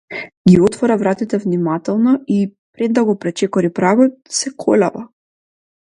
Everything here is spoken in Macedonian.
Ги отвора вратите внимателно и, пред да го пречекори прагот, се колеба.